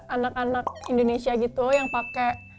anak anak indonesia gitu yang pakai